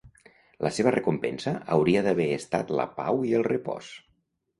La seva recompensa hauria d'haver estat la pau i el repòs.